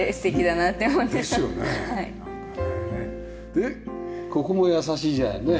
でここも優しいじゃないねえ。